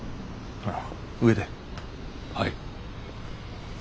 はい。